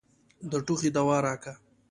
د ټوخي دوا راکه.